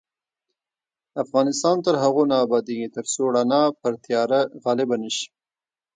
افغانستان تر هغو نه ابادیږي، ترڅو رڼا پر تیاره غالبه نشي.